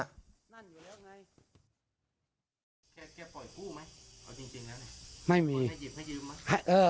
แกปล่อยกู้ไหมเอาจริงแล้วเนี่ย